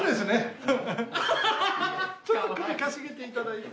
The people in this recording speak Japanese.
ちょっと首かしげて頂いて。